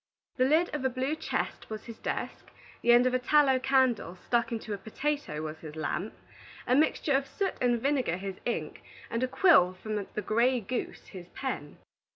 The lid of a blue chest was his desk, the end of a tallow candle stuck into a potato was his lamp, a mixture of soot and vinegar his ink, and a quill from the gray goose his pen.